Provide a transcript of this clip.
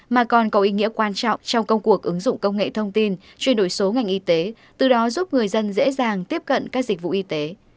mà còn có ý nghĩa quan trọng trong công cuộc ứng dụng công nghệ thông tin chuyển đổi số ngành y tế từ đó giúp người dân dễ dàng tiếp cận các dịch vụ y tế